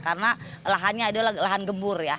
karena lahannya adalah lahan gembur ya